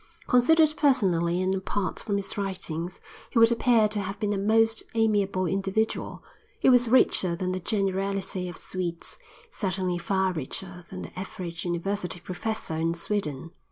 Considered personally and apart from his writings he would appear to have been a most amiable individual. He was richer than the generality of Swedes, certainly far richer than the average university professor in Sweden.